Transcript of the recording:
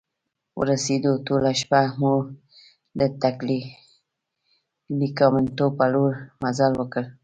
ورسیدو، ټوله شپه مو د ټګلیامنتو په لور مزل وکړ.